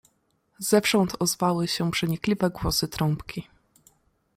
"Zewsząd ozwały się przenikliwe głosy trąbki."